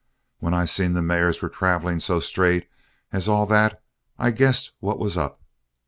When I seen the mares were traveling so straight as all that I guessed what was up.